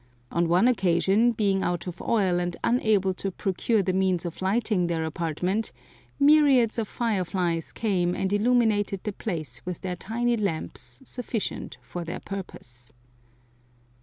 On one occasion, being out of oil and unable to procure the means of lighting their apartment, myriads of fire flies came and illumined the place with their tiny lamps sufficient for their purpose.